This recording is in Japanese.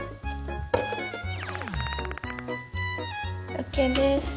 ＯＫです。